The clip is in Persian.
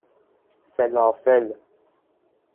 فلافل